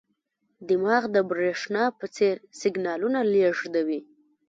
دماغ د برېښنا په څېر سیګنالونه لېږدوي.